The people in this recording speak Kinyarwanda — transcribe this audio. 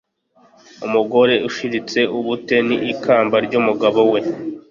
Umugore ushiritse ubute ni ikamba ry’umugabo we